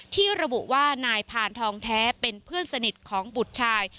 ที่ระบุว่านายพานทองแท้เป็นเพื่อนสนิทของบุตรชาย